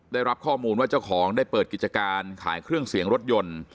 ได้รับข้อมูลว่าเจ้าของได้เปิดกิจการขายเครื่องเสียงรถยนต์